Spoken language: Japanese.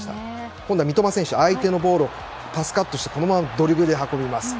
今度は三笘選手相手のボールをパスカットしてこのままドリブルで運びます。